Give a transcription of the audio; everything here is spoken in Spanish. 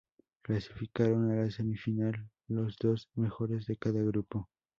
Clasificaron a la semifinal los dos mejores de cada grupo.